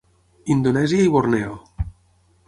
Indonèsia i Borneo.